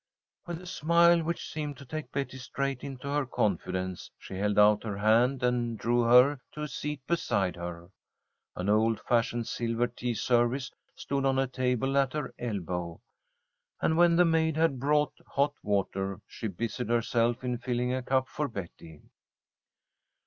With a smile which seemed to take Betty straight into her confidence, she held out her hand and drew her to a seat beside her. An old fashioned silver tea service stood on a table at her elbow, and when the maid had brought hot water, she busied herself in filling a cup for Betty.